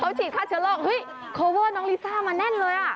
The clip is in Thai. เขาฉีดข้าวเฉลองเฮ้ยคอเวิร์ดน้องลิซ่ามาแน่นเลย